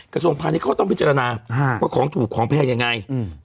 กระทรวงพาณิชยเขาต้องพิจารณาว่าของถูกของแพงยังไงอืม